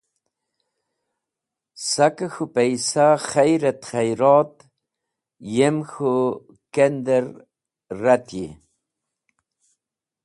Skẽ k̃hũ paysa kheyr et kheyrot yem k̃hũ kender ret. yi